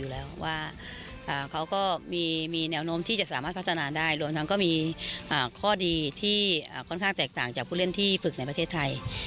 และก็ถึงเป็นข้อดีที่ค่อนข้างแตกต่างจากผู้เล่นที่ฝึกในประเทศไทย